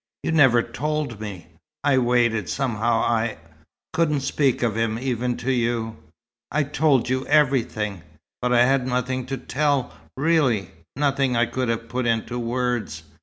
"You never told me." "I waited. Somehow I couldn't speak of him, even to you." "I've told you everything." "But I had nothing to tell, really nothing I could have put into words.